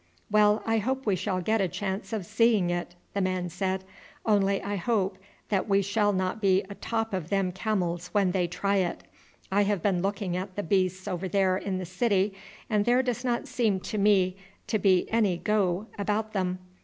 "Well, I hope we shall get a chance of seeing it," the man said, "only I hope that we shall not be atop of them camels when they try it. I have been looking at the beasts over there in the city, and there does not seem to me to be any go about them.